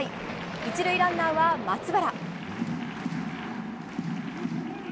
１塁ランナーは松原。